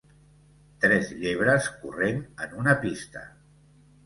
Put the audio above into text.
Tres llebres corrent en una pista